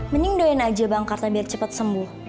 mending doain aja bang karta biar cepet sembuh